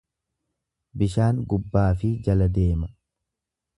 Bishaan gubbaa fi jala deema.